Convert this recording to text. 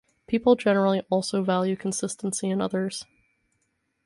People generally also value consistency in others.